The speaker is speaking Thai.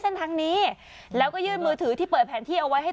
เส้นทางนี้แล้วก็ยื่นมือถือที่เปิดแผนที่เอาไว้ให้